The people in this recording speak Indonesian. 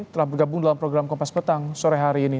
telah bergabung dalam program kompas petang sore hari ini